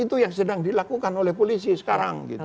dan itu yang sedang dilakukan oleh polisi sekarang